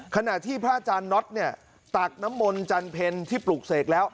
ขณะที่พระอาจารย์น็อตเนี่ยตักน้ำมนต์จันเพ็ญที่ปลูกเสกแล้ว